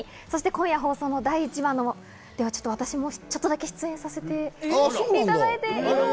今夜、放送の第１話の私もちょっとだけ出演させていただいて。